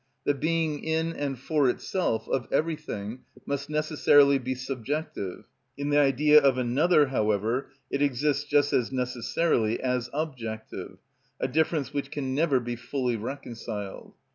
The being in and for itself, of everything, must necessarily be subjective; in the idea of another, however, it exists just as necessarily as objective—a difference which can never be fully reconciled.